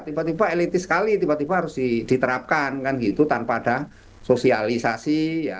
tiba tiba elitis sekali tiba tiba harus diterapkan kan gitu tanpa ada sosialisasi